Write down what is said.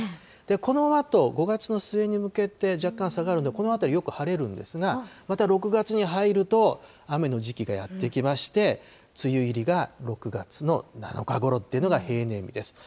このあと、５月の末に向けて若干下がるの、このあたり、よく晴れるんですが、また６月に入ると雨の時期がやって来まして、梅雨入りが６月の７日ごろというのが平年日です。